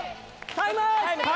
タイム！